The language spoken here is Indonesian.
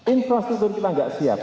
infrastruktur kita enggak siap